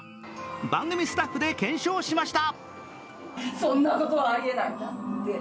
番組スタッフで検証しました。